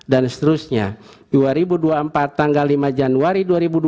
dan seterusnya dua ribu dua puluh empat tanggal lima januari dua ribu dua puluh empat